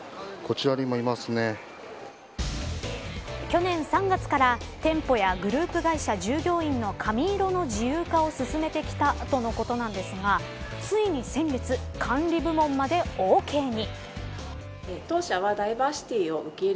去年３月から店舗やグループ会社従業員の髪色の自由化を進めてきたとのことなんですがついに先月管理部門までオーケーに。